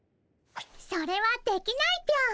それはできないぴょん。